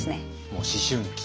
もう思春期？